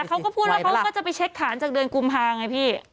เขาก็พูดแล้วเขาก็จะไปเช็คฐานจากเดือนกุมภาไงพี่